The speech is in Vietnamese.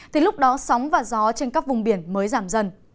thì lúc đó sóng và gió trên các vùng biển mới giảm dần